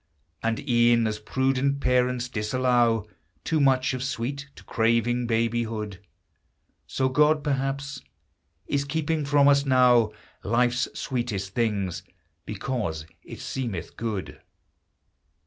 And e'en as prudent parents disallow Too much of sweet to craving babyhood, So God, perhaps, is keeping from us now Life's sweetest things, because it seemeth good.